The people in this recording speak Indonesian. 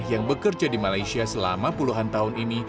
yang bekerja di malaysia selama puluhan tahun ini